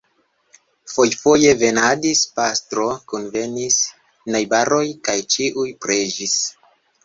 Fojfoje venadis pastro, kunvenis najbaroj kaj ĉiuj preĝis.